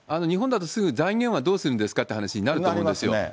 日本だと、すぐ財源はどうするんですかっていう話になると思うんですよ。